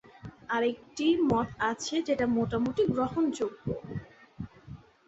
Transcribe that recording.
আরেকটি মত আছে যেটা মোটামুটি গ্রহণযোগ্য।